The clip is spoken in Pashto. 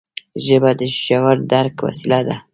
ژبه د ژور درک وسیله ده